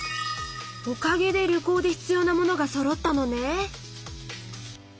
おかげで旅行で必要なものがそろったのね！